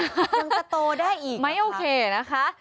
ยังจะโตได้อีกนะคะไม่โอเคนะคะ